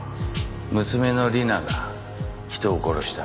娘の理奈が人を殺した。